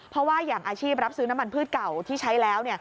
เพราะว่าอย่างอาชีพรับซื้อน้ำมันพืชเก่าที่ใช้แล้ว